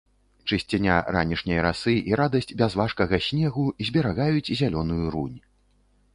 Чысціня ранішняй расы і радасць бязважкага снегу зберагаюць зялёную рунь.